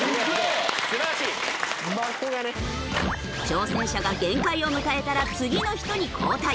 挑戦者が限界を迎えたら次の人に交代。